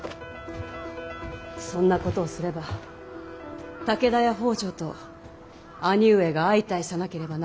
そんなことをすれば武田や北条と兄上が相対さなければならなくなります。